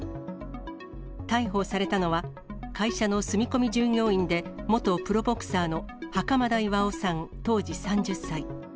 逮捕されたのは、会社の住み込み従業員で、元プロボクサーの袴田巌さん当時３０歳。